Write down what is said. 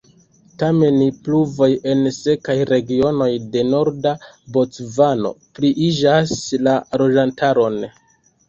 Tamen pluvoj en sekaj regionoj de norda Bocvano pliiĝas la loĝantaron.